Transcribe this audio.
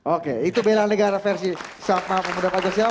oke itu belan negara versi sabma pemuda pancasila